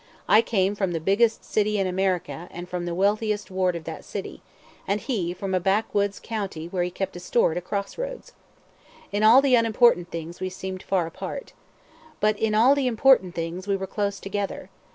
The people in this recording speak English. I came from the biggest city in America and from the wealthiest ward of that city, and he from a backwoods county where he kept a store at a crossroads. In all the unimportant things we seemed far apart. But in all the important things we were close together.